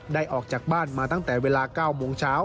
ออกจากบ้านมาตั้งแต่เวลา๙โมงเช้า